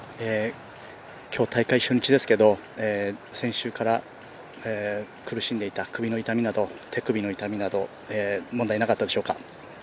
今日、大会初日ですけど先週から苦しんでいた首の痛みなど手首の痛みなど問題なかったでしょうか。